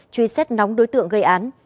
truy xét nóng đối tượng gây án